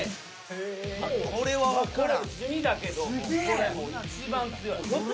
これは分からん。